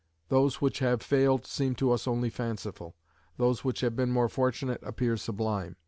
Those which have failed seem to us only fanciful; those which have been more fortunate appear sublime.